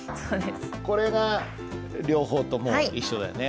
これが両方とも一緒だよね。